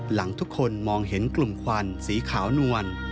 หลังทุกคนมองเห็นกลุ่มควันสีขาวนวล